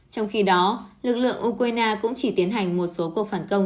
trong khi đó lực lượng ukraine cũng chỉ tiến hành một số cuộc phản công